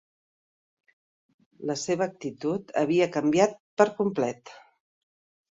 La seva actitud havia canviat per complet.